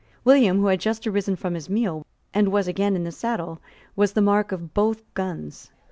William, who had just risen from his meal, and was again in the saddle, was the mark of both guns.